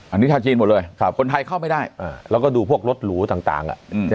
อันนี้ชาวจีนหมดเลยคนไทยเข้าไม่ได้แล้วก็ดูพวกรถหรูต่าง